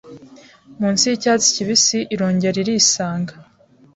Munsi yicyatsi kibisi irongera irisanga